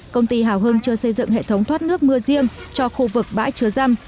công ty hào hưng chưa xây dựng hệ thống thoát nước mưa riêng cho khu vực bãi chứa răm